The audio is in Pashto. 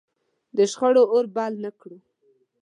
د شخړو اور بل نه کړو.